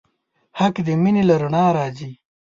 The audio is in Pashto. حق د مینې له رڼا راځي.